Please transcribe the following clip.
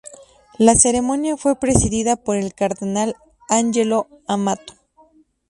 La ceremonia fue presidida por el Cardenal Angelo Amato.